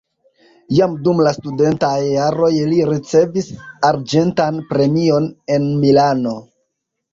Jam dum la studentaj jaroj li ricevis arĝentan premion en Milano.